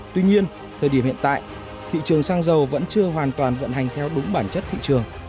tuy nhiên thời điểm hiện tại thị trường xăng dầu vẫn chưa hoàn toàn vận hành theo đúng bản chất thị trường